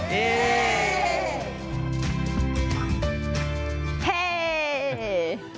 เฮ่ย